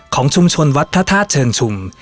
ของชุมชนวัดพระธาตุเชิงชุม